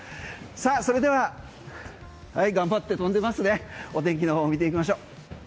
それでははい、頑張ってとんでますねお天気の方を見ていきましょう。